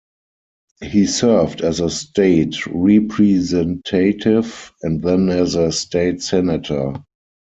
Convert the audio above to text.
He served as a State Representative and then as a State Senator.